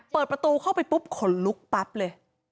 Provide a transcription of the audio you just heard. เปิดประตูเข้าไปปุ๊บขนลุกปั๊บเลย